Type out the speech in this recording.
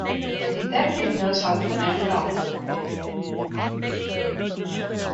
A detective knows how to connect the dots.